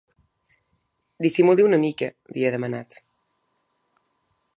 Dissimuli una mica, li ha demanat.